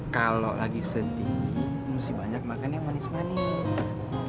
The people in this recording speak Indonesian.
kalau lagi sedih mesti banyak makan yang manis manis